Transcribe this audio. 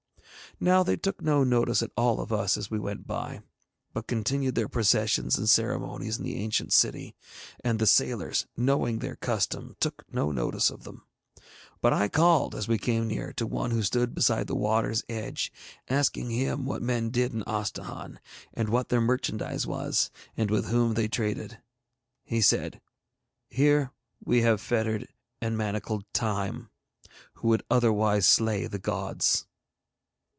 Now they took no notice at all of us as we went by, but continued their processions and ceremonies in the ancient city, and the sailors, knowing their custom, took no notice of them. But I called, as we came near, to one who stood beside the water's edge, asking him what men did in Astahahn and what their merchandise was, and with whom they traded. He said, 'Here we have fettered and manacled Time, who would otherwise slay the gods.'